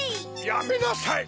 ・やめなさい！